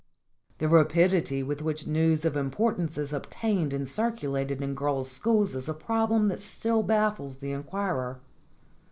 The rapidity with which news of importance is obtained and circulated in girls' schools is a problem that still baffles the inquirer.